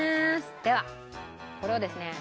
ではこれをですね